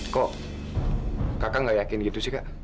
kok kakak gak yakin gitu sih kak